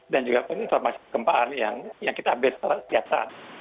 dan juga informasi keempaan yang kita update setiap saat